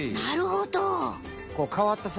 なるほど。ね。